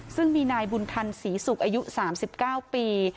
ซึ่งมีนายบุญธรรมศรีสุขอายุ๓๙ปี